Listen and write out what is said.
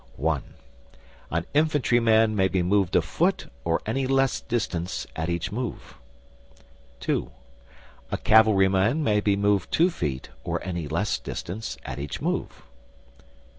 (I) An infantry man may be moved a foot or any less distance at each move. (II) A cavalry man may be moved two feet or any less distance at each move.